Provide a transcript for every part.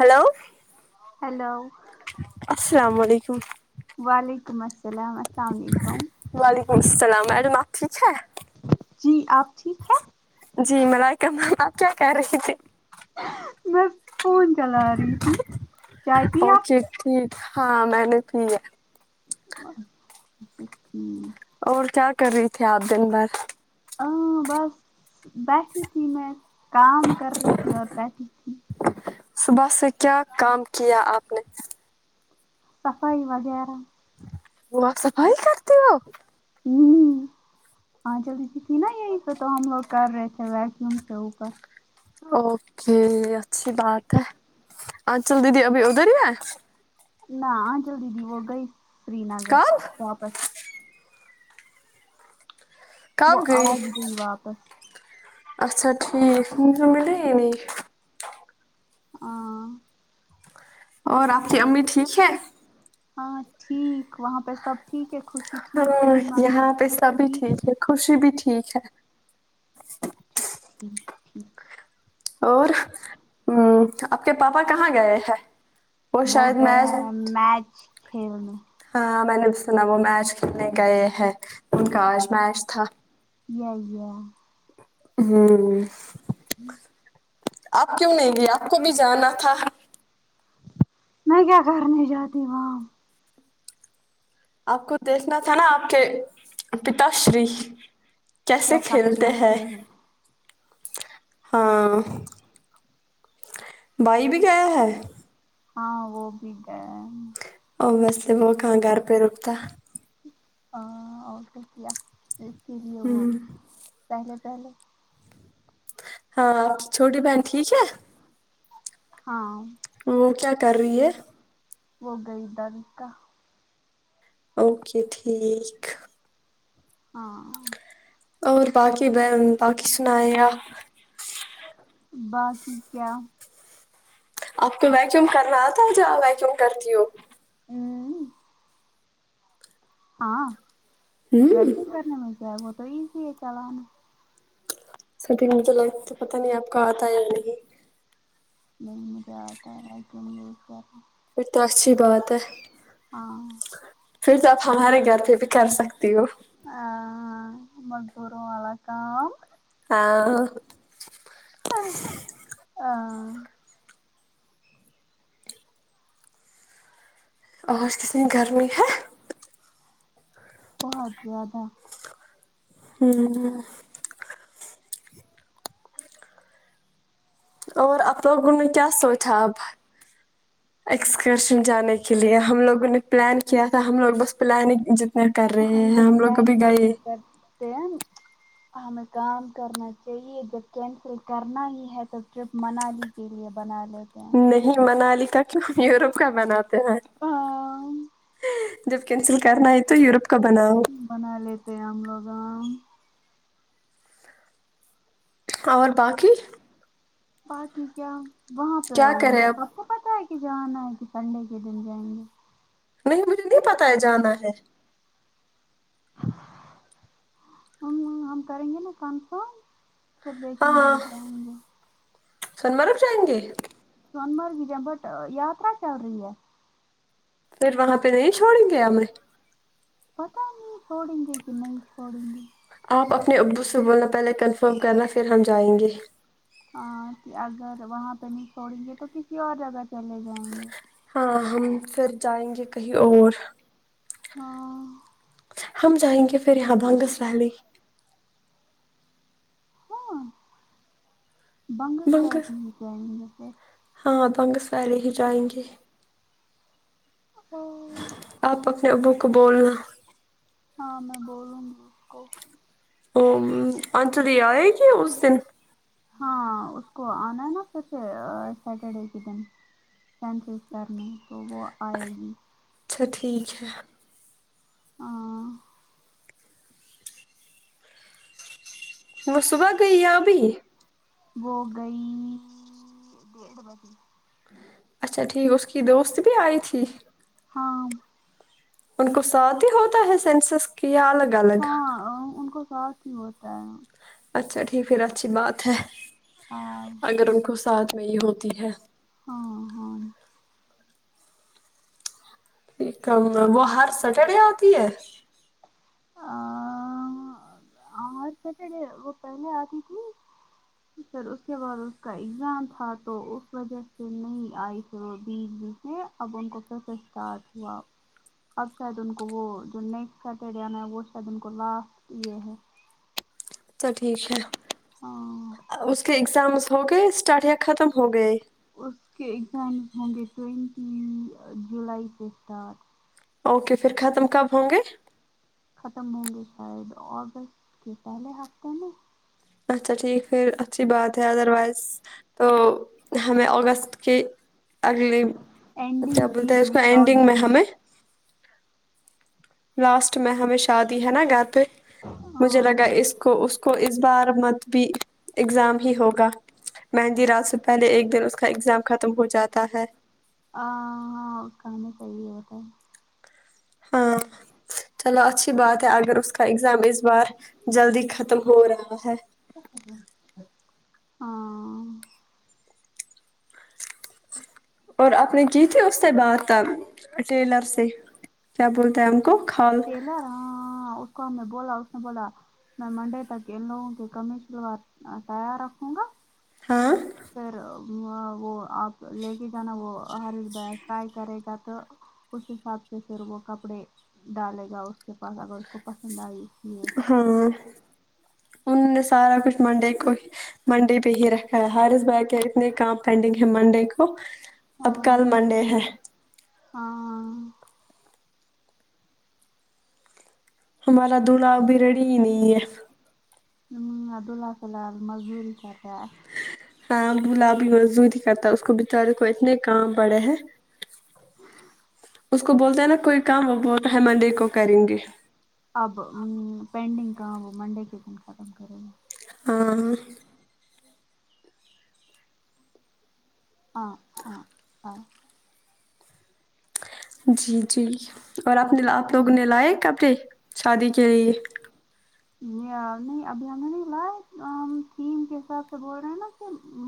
hello hello السلام علیکم وعلیکم السلام السلام علیکم وعلیکم السلام اڈم آپفی ہے جی آپ ٹھیک ہیں جی ملائکم آپ کیا کہہ رہے تھے بس فون چلا رہی تھی چاہتیھی آپ اوکے ٹھیک ہاں میں نے بھی ہے چ ہٹ اور کیا کر رہی تھی آپ دن بھر ہ بس بیٹھی تھی میں کام کر رہی تھی اور بیٹھی تھی صبح سے کیا کام کیا آپ نے صفائی وغیرہ وہ آ صفائی کرتی ہو‌ آپ ہوں ہاں جلدی ج تھی نا یہیں پ کام لوگ کر رہے تھے ویکیوم سے اوپر اوکے اچھی بات ہے آچل دیدی ابھی ادھر ہی ہے نہ آ جلدی د وہ گئی سری نگر کب واپس کب وہ گئی آج واپس اچھا ٹھیک م د نہیں ہ اور آپ کی امی ٹھیک ہے ہاں ٹھیک وہاں پہ سب ٹھیک ہے خوشی ٹھیک ہاں پریمی ماں یہاں پہ سبھی ٹھیک ٹھیک ہے خوشی بھی ٹھیک ہے اچھا ٹھیک ٹھیک اور ہ آپ کے پاپا کہاں گئے ہیں وہ شاید گیا میچ ہیں میچ کھیل میں ہاں میں نے بھی سونا وہ میچ کھیلنے گئے ہیں ان کا آج میچ تھا یال یا ہ آپ کیوں نہیں لی آپ کو بھی جانا تھا میں کیا کرنی جاتی واں آپ کو دیکھنا تھا نا آپ کے پتا شری کیسے کھیلتے ہیں ہاں بائی بھی کیا ہے ہاں وہ بھی گیا ہے ا بسے وہ کہاں گھر پہ رکتا ہاں اور شکہ تو اس کے لیے وہ پہلے پہلے ہاں آپ کی چھوٹی بہن ٹھیک ہے ہاں وہ کیا کر رہی ہے وہ گی گادک کا اوکے ٹھیک ہاں اور باقی بہن باقی سنا یہ باقی کیا آپ کو ویکیوم کرنا آتا جہ ویکیوم کرتی ہو ہوں ہاں ویکسنگ کرنے میں جائے وہ تو ایزی ہے چلانا سب مجھے لگ تو پتا نہیں آپ کا ہاتھ آ ے یہ نہیں نہیں مجھے آتا ہے اج گھم نے گیا تھا ب تو اچھی بات ہے پھر تو آپ ہمارے گھر پہ بھی کر سکتی ہو ا مذدروں والا کاام ہاں ہا اور کتنی گرمی ہے بہت زیادہ ہوں اور آپ لوگوں نے کیا سوچا اب ایکسکرشن جانے کے لیے ہم لوگوں نے پلان کیا تھا ہم لوگ بس پلانگ کر رہے ہیں ہم لوگ کبھی گائے دہان ہمیں کام کرنا چاہیے جب کینسل کرنا ہی ہے تو ٹرپ منالی کے لیے بنا لے نہیں منالی کا کیوں ہم یوروپ کا بناتے ہیں جب کینسل کرنا ہے تو یوروپ کا بناؤ بنا لیتے ہیں ہم لوگ گا اور باقی باقی کیا وہاں پہ کیا کریں اب سب کو پتاہ ہے کہ جانا ہے کہ سنڈے کے دن جائیں گے نہیں مجھے نہیں پتا ہے جانا ہے ہم ہم کریں گے نا کنفرم سب ہاں گیے ہاں سنمرگ جائیں گے سون مرگ جا بٹ یاترا چل رہی ہے پھر وہاں پے نہیں چھوڑیں گے ہمیں پتہ نہیں چھوڑیں گے کی نہیں چھوڑیں گے آپ اپنے ابدو سے بولنا پہلے کنفرم کرنا پھر ہم جائیں گے ہاں کی اگر وہاں پے نہیں چھوڑیں گے تو کسی اور جگہ چلے جائیں گے ہاں ہم پھر جائیں گے کہیں اور ہاں ہم جائیں گے پھر یہاں بانگس ویلی ہاں بنگس ویلی ہی جائیں گے پھر ہاں بنگس والے ہی جائیں گے ہاں آپ اپنے ابو کو بولنا ہاں میں بولوں گی ان کو او آنچلی آئے گی اس دن ہاں اس کو آنا ہے نا پھر سے سیٹرڈے کے دن [unintelligible] کرنے تو وہ آئے گی اچھا ٹھیک ہے ہاں وہ صبح گیا یا ابھی وہ گئی ڈیڑھ بجے اچھا ٹھیک اس کی دوست بھی آئی تھی ہاں ان کو ساتھ ہی ہوتا ہے سینسس کی الگ الگ ہاں ان کو ساتھ ہی ہوتا ہے اچھا ٹھیک پھر اچھی بات ہے ہاں اگر ان کو ساتھ میں ہی ہوتی ہے ہاں ہاں ٹھیک ہے وہ ہر سٹرڈے آتی ہے آ ہار سٹرڈے وہ پہلے آتی تھی پھر اس کے بعد اس کا ایگزام تھا تو اس وجہ سے نہیں آئی پھر وہ [unintelligible] یے اب ان کو پھر اسے سٹارٹ ہوا اب شاید ان کو وہ جو نیکسٹ سیٹرڈے آنا ہے وہ شاید ان کو لاسٹ یے ہے تو ٹھیک ہے ہاں اس کے ایگزام ہو گئے اسٹارٹ یا ختم ہو گئے اس کے اگزامز ہوں گے ٹئونٹی جولائی سے اسٹارٹ اوکے پھر ختم کب ہوں گے ختم ہوں گے شاید آگست کے پہلے ہفتے میں اچھا ٹھیک پھر اچھی بات ہے ادر وائز تو ہمیں اگست کی اگلی اینڈنگ کیا ویک بولتے اس میں کو اینڈنگ سعودی میں ہمیں لاسٹ میں ہمیں شادی ہے نا گھر پہ مجھے ہاں لگا اس کو اس کو اس بار مت بھی ایگزام ہی ہوگا مہندی رات سے پہلے ایک دن اس کا ایگزام ختم ہو جاتا ہے آ ہاں کہانا صحیح ہے بتائی ہاں چلو اچھی بات ہے اگر اس کا ایگزام اس بار جلدی ختم ہو رہا ہے کیا کر رہی اور آپ نے کی تھی اس سے بات ٹیلر سے کیا بولتے ہیں ہم کو کھال ٹیلر ہاں اس کو ہم نے بولا اس نے بولا میں منڈے تک ان لوگوں کے کمیز شلوار تیار رکھوں گا ہاں پھر وہ آپ لے کے جانا وہ ہری بیگ فرائی کرے گا تو اس حساب سے پھر وہ کپڑے ڈالے گا اس کے پاس اگر اس کو پسند آئی اس لیے ہاں ان نے سارا کچھ منڈے کو منڈے پہ ہی رکھا ہے ہارس بھائی کیا اتنے کام پینڈنگ ہے منڈے کو اب ہاں کل منڈے ہے ہاں ہمارا دلہا اب بھی رڑی ہی نہیں ہے ہمم ابدولا فیل ہل مزدوری کرا ہے ہ گلابی مزود ہی کرتا ہے اس کو بچارے کو اتنے کام پڑے ہیں اس کو بولتے ہیں نا کوئی کام وہ بہت ہیمندی کو کریں گے اب پینڈنگ کام وہ منڈے کے کن ختم کرے گے ہاں ہاں ہاں ہاں جی جی اور آپ نے آپ لوگوں نے لائے کبے شادی کے لیے نہیں ابھی ہم نے نہیں لائے ہم تھیم کے حساب سے بول رہے ہیں نا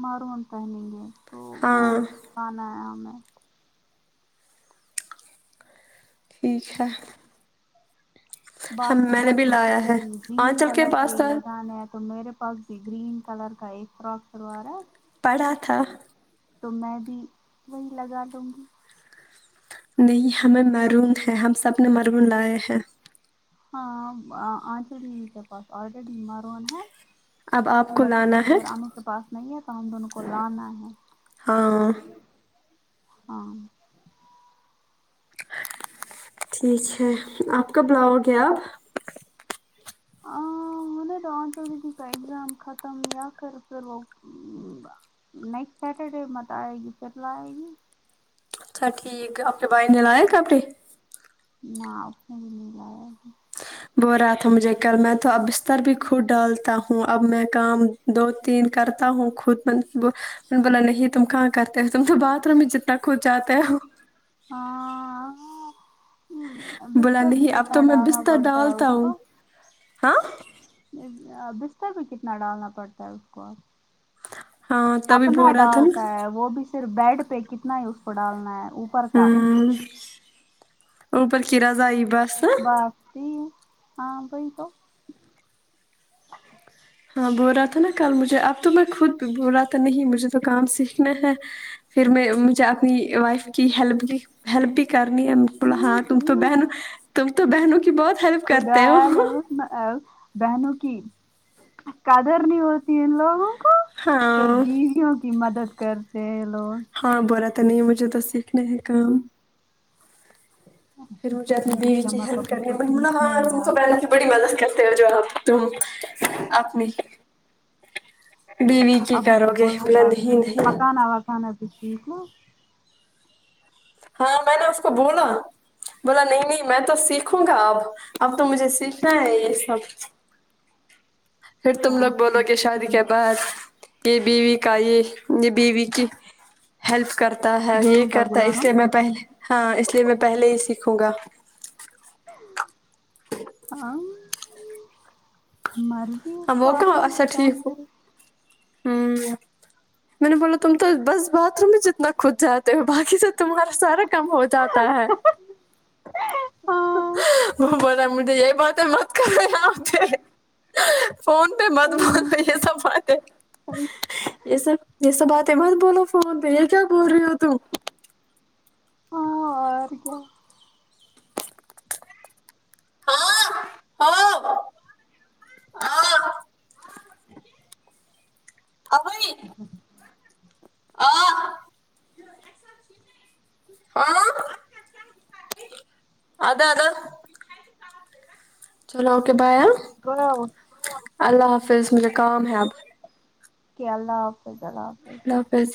مرون پہنیں گے تو وہ ہاں کانا ہے ہمیں ٹھیک ہے ہم باقی میں نے سب بھی لایا کچھ ہے گرین آنچل کلر کے پاس ہی تو لگانے ہیں تو میرے پاس گرین کلر کا ایک فراک سلو رہا ہے پڑھا تھا تو میں بھی وہی لگا لوں گی نہیں ہمیں محرون ہے ہم سب نے مرون لائے ہیں ہاں آنشو دیوی کے پاس آلریڈی ایمار ون ہے اب آپ کو بٹ لانا میرے ہے اھر رانو کے پاس نہیں ہے تو ہم دون کو لانا ہے واہ ہاں ٹھیک ہے آپ کا بلاؤ گے آپ ہ مینی دو کو اگزام ختم یا پھر پھر وہ نیکسٹ سیٹرڈے مت آئے گی فتلا آئے گی اچھا ٹھیک اپنے بھائی نے لائے کپڑے نہ اے بھی نہیں لایا بو رہا تھا مجھے کر میں تو اب بستر بھی خھود ڈالتا ہوں اب میں کام دو تین کرتا ہوں خود بولا نہیں تم کہاں کرتے ہو تم تو بات روم میں جنا کا کھد جاتے ہو ہاں بولا بستر بھی نہیں اب تو کتنا میں ڈالنا بستر پڑتا ہے اس ڈالتا ہوں کو ہاں بستر بھی کتنا ڈالنا پڑتا ہے اس کو ہاں تبھی اپنا بول رہا تھا ڈالتا نا ہے وہ بھی پھر بیڈ پہ کتنا ہی اس پر ڈالنا ہے اوپر کا ہوں اوپر کی رضائ بس بس ٹھیک ہاں بالکل ہاں بول رہا تھا نا کل مجھے اب تو میں خود بول رہا تھا نہیں مجھے تو کام سیکھنا ہے پھر میں مجھے اپنی وائف کی ہیلپ دی ہیلپ بھی کرنی ہے بولا ہوں، ہاں تم تو ہوں، بہن تم تو بہنوں کی بہت ہیلپ خدا کرتے ہو بہنوں کی قدر نہیں ہوتی لوگوں کو پھر ہاں بیویوں کی مدد کرتے ہیں لوگ ہاں برا تو نہیں مجھے تو سیکھنا ہے کام فھروی اپنی ٹھیک اس بیوی کا کی مطلب ہیلپ اس کو کر منا سیکھنے ہیں ہ اب بے کی بی مدد کرتے جو آب تم اپمی بیوی کی کرو گے بولا نہیں نہیں [unintelligible] ٹیک ہو ہاں میں نے اس کو بولا بولا نہیں نہیں میں تو سیکھوں گا اب تو مجھے سیکھنا ہے یے سب پھر تم لوگ اچھا بولو گے شادی کے ٹھیک بعد یے بیوی کا یے یے بیوی کی ہیلپ کرتا ہے یے جوروں کا کرتا ہے اس غلام لیے میں پہلے ہاں اس لیے میں پہلے ہی سیکھوں گا ہاں ماری اب وہ کہا اچھا ٹھیک ہو آمم میں نے بولا تم تو بس باتھ روم میں جتنا خود جاتے ہو باقی تو تمہارا سارا کم ہو جاتا ہے ہاں وہ بولا مجھے یہی باتی مت کر آتے فون پے مت بولو ہاں یے سب باتیں یے سب یے سب بات ہے مت بولو فون پے یے کیا بول رہی ہو تم اور کیا ہاں ہاں ہاں ابھئی آ ہاں ادا ادا چلو اوکے بائے [unintelligible] اللہ حافظ مجھے کام ہے اب کے اللہ حافظ اللہ حافظ اللہ حافظ